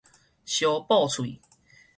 相報喙